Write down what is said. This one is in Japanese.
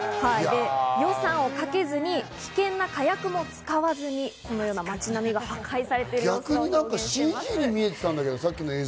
予算をかけずに危険な火薬も使わずに、このように街並みが破壊されている様子を再現しているんです。